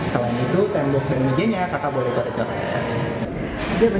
selain itu tembok remagenya kata boleh dicore coret